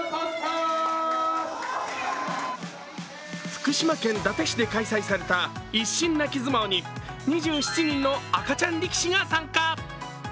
福島県伊達市で開催された一心泣き相撲に、２７人の赤ちゃん力士が参加。